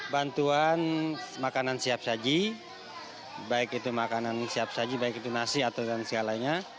bantuan makanan siap saji baik itu makanan siap saji baik itu nasi atau dan segalanya